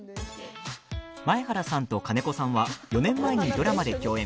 前原さんと金子さんは４年前にドラマで共演。